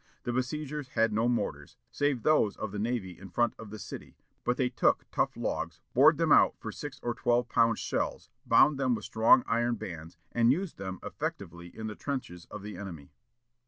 The besiegers had no mortars, save those of the navy in front of the city, but they took tough logs, bored them out for six or twelve pound shells, bound them with strong iron bands, and used them effectively in the trenches of the enemy.